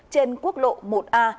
trên quốc lộ một a